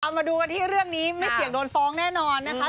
มาดูกันที่เรื่องนี้ไม่เสี่ยงโดนฟ้องแน่นอนนะคะ